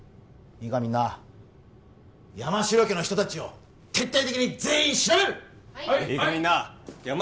いいかみんな山城家の人達を徹底的に全員調べる！